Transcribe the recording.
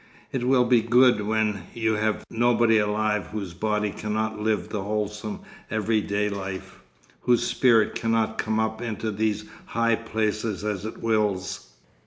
It will be good when you have nobody alive whose body cannot live the wholesome everyday life, whose spirit cannot come up into these high places as it wills.